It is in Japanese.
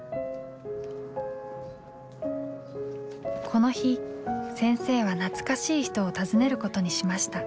この日先生は懐かしい人を訪ねることにしました。